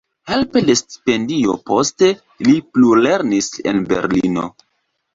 Helpe de stipendio poste li plulernis en Berlino.